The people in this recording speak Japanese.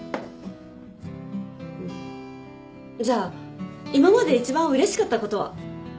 じゃあ今まで一番うれしかったことは？